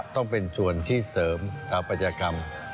ต้องเป็นส่วนที่เสริมธรรมพยากรรม